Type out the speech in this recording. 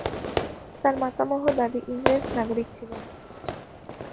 তাঁর মাতামহ দাদী ইংরেজ নাগরিক ছিলেন।